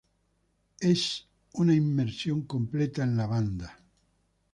Es un una inmersión completa en la banda.